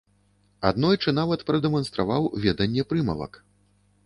Аднойчы нават прадэманстраваў веданне прымавак.